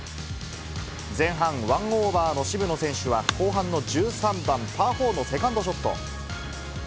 前半、１オーバーの渋野選手は後半の１３番パー４のセカンドショット。